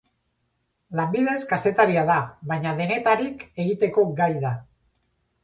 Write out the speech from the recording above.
Lanbidez kazetaria da, baina denetarik egiteko gai da.